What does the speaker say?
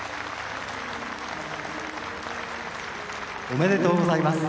「おめでとうございます。